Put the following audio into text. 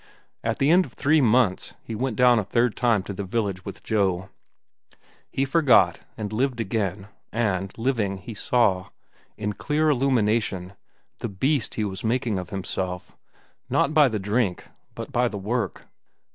At the end of three months he went down a third time to the village with Joe. He forgot, and lived again, and, living, he saw, in clear illumination, the beast he was making of himself—not by the drink, but by the work.